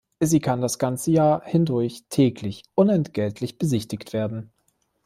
Sie kann das ganze Jahr hindurch täglich unentgeltlich besichtigt werden.